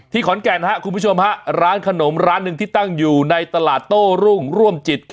ขอนแก่นครับคุณผู้ชมฮะร้านขนมร้านหนึ่งที่ตั้งอยู่ในตลาดโต้รุ่งร่วมจิต